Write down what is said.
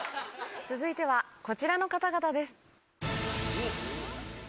続いてはこちらの方々です。